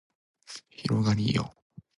広がりーよ